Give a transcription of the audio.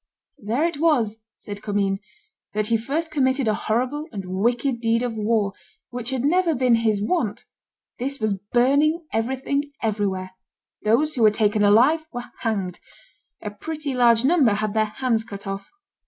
"There it was," says Commynes, "that he first committed a horrible and wicked deed of war, which had never been his wont; this was burning everything everywhere; those who were taken alive were hanged; a pretty large number had their hands cut off.